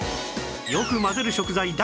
よく混ぜる食材